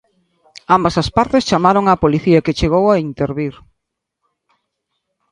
Ambas as partes chamaron á Policía que chegou a intervir.